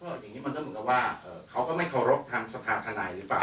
ก็อย่างนี้มันเรื่องเหมาะกันว่าเขาก็ไม่เคารพทำสภาพธนัยหรือเปล่า